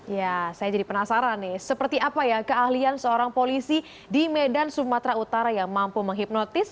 ya saya jadi penasaran nih seperti apa ya keahlian seorang polisi di medan sumatera utara yang mampu menghipnotis